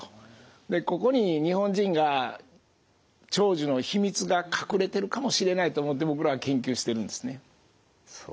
でここに日本人が長寿の秘密が隠れてるかもしれないと思って僕らは研究しているんですね。